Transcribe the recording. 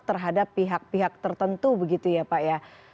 terhadap pihak pihak tertentu begitu ya pak ya